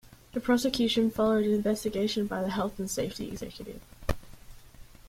The prosecution followed an investigation by the Health and Safety Executive.